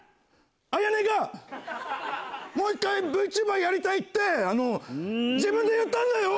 綾音がもう一回ＶＴｕｂｅｒやりたいって自分で言ったんだよ！